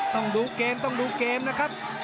ต้องดูเกมต้องดูเกมนะครับ